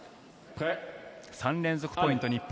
３連続ポイント、日本。